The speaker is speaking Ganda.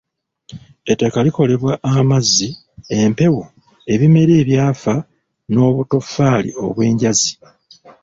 Ettaka likolebwa amazzi, empewo, ebimera ebyafa, n'obutoffali obw'enjazi